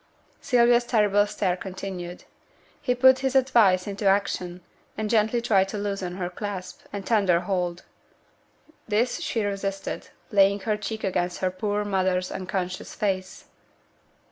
Sylvia's terrible stare continued: he put his advice into action, and gently tried to loosen her clasp, and tender hold. This she resisted; laying her cheek against her poor mother's unconscious face.